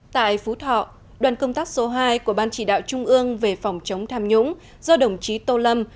tại phú thọ đoàn công tác số hai của ban chỉ đạo trung ương về phòng chống tham nhũng do đồng chí tô lâm